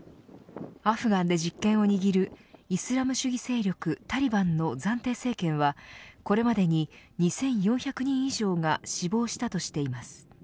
アフガンで実権を握るイスラム主義勢力タリバンの暫定政権はこれまでに２４００人以上が死亡したとしています。